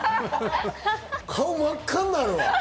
顔真っ赤になるわ。